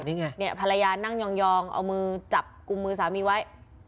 นี่ไงเนี่ยภรรยานั่งยองเอามือจับกลุ่มมือสามีไว้